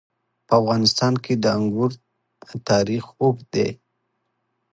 په افغانستان کې د انګور تاریخ اوږد دی.